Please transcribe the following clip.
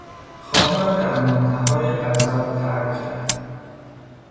خانه را در منتهای غضب ترک کرد.